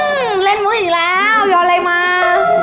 อื้อเล่นมุ้งอีกแล้วยอดเลยมา